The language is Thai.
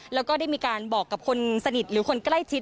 แล้วก็ได้มีการบอกกับคนสนิทหรือคนใกล้ชิด